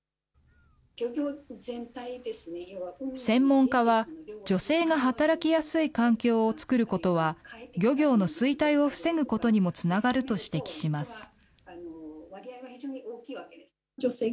専門家は、女性が働きやすい環境を作ることは、漁業の衰退を防ぐことにもつながると指摘します。